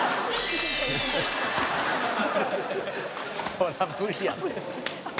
「そりゃ無理やって」